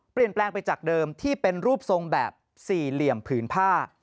เปลี่ยนแปลงไปจากเดิมที่เป็นรูปทรงแบบสี่เหลี่ยมผืนผ้า